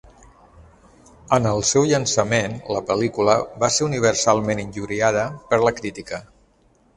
En el seu llançament la pel·lícula va ser universalment injuriada per la crítica.